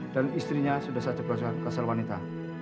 dan istrinya sudah saja ber geja geja kesal wanita